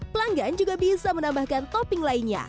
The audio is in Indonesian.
pelanggan juga bisa menambahkan topping lainnya